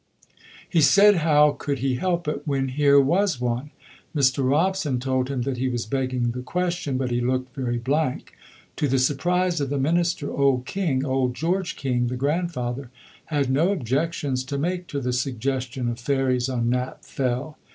He said how could he help it when here was one? Mr. Robson told him that he was begging the question, but he looked very blank. To the surprise of the minister, old King old George King, the grandfather had no objections to make to the suggestion of fairies on Knapp Fell.